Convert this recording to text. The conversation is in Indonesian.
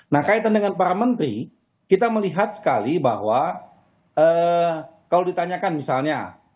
nah kaitan dengan para menteri kita melihat sekali bahwa kalau ditanyakan misalnya